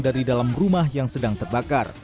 dari dalam rumah yang sedang terbakar